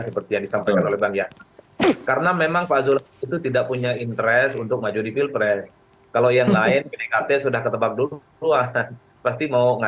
seperti yang disampaikan oleh ban